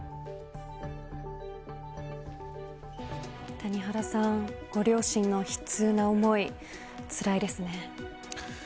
谷原さん、ご両親の悲痛な思いつらいですね。